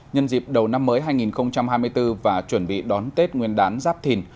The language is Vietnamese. nhân dịp đầu năm mới hai nghìn hai mươi bốn và chuẩn bị đón tết nguyên đán giáp thìn